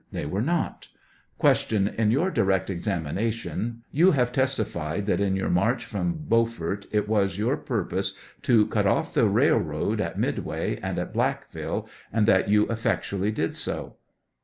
They were not. Q, In your direct examination you have testified that in your march from Beaufort it was your purpose to cut off the railroad at Midway and at Blackville, and that you effectually did so